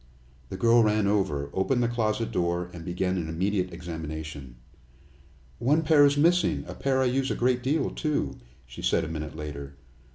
The girl ran over, opened the closet door, and began an immediate examination. "One pair is missing a pair I use a great deal, too," she said a minute later.